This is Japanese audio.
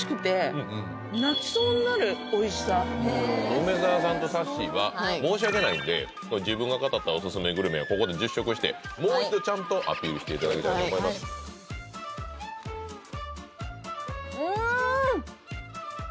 私梅沢さんとさっしーは申し訳ないんで自分が語ったオススメグルメをここで実食してもう一度ちゃんとアピールしていただきたいと思いますん！